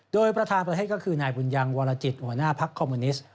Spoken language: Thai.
โดยประธานประเทศก็คือนายบุญยังวรจิตหัวหน้าพักคอมมิวนิสต์